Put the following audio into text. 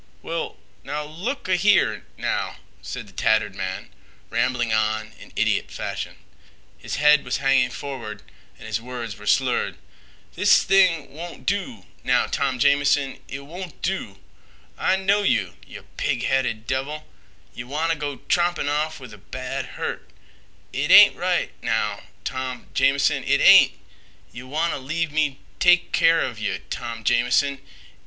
"Well, now look—a—here—now," said the tattered man, rambling on in idiot fashion. His head was hanging forward and his words were slurred. "This thing won't do, now, Tom Jamison. It won't do. I know yeh, yeh pig headed devil. Yeh wanta go trompin' off with a bad hurt. It ain't right—now—Tom Jamison—it ain't. Yeh wanta leave me take keer of yeh, Tom Jamison.